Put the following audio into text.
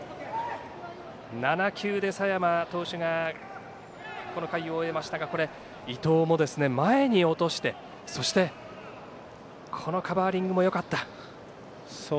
７球で佐山投手がこの回を終えましたが伊藤も前に落としてそして、このカバーリングもよかった。